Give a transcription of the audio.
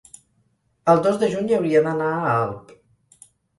el dos de juny hauria d'anar a Alp.